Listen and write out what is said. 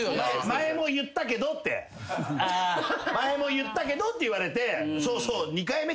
「前も言ったけど」って言われて。